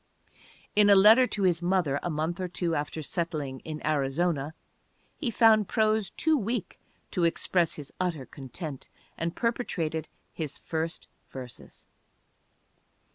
In a letter to his mother a month or two after settling in Arizona he found prose too weak to express his utter content and perpetrated his first verses.